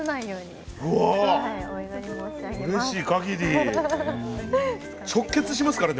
うれしいかぎり直結しますからね。